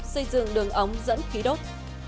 xây dựng đường ống dẫn khí đốt